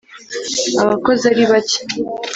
abakozi ari bake,